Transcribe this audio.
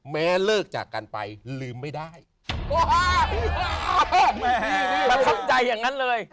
เลิกจากกันไปลืมไม่ได้ประทับใจอย่างนั้นเลย